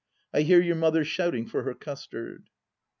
I hear your Mother shouting for her custard."